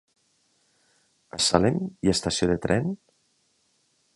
A Salem hi ha estació de tren?